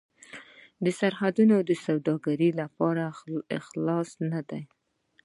آیا سرحدونه د سوداګرۍ لپاره خلاص نه دي؟